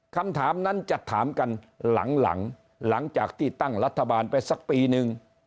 คำถามนั้นจะถามกันหลังหลังจากที่ตั้งรัฐบาลไปสักปีนึง